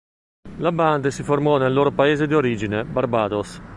La band si formò nel loro paese di origine Barbados.